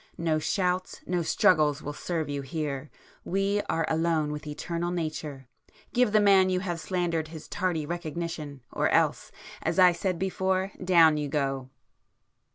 No shouts, no struggles will serve you here,—we are alone with Eternal Nature,—give the man you have slandered his tardy recognition, or else, as I said before—down you go!